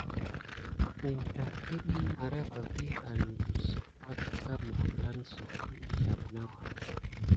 In tat əɗiy marava vi an nəgəsuk pake. Kame aplan suw əzlaɓe nawa.